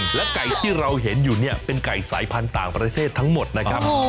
และไก่ที่เราเห็นอยู่เนี่ยเป็นไก่สายพันธุ์ต่างประเทศทั้งหมดนะครับ